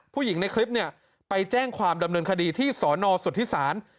ผู้หญิงในคลิปเนี่ยไปแจ้งความดำเนินคดีที่สนสุธิศาล